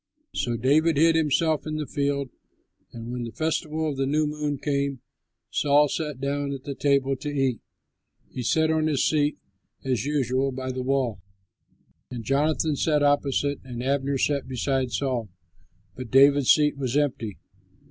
So David hid himself in the field; and when the festival of the New Moon came, Saul sat down at the table to eat. He sat on his seat, as usual, by the wall, and Jonathan sat opposite, and Abner sat beside Saul; but David's seat was empty.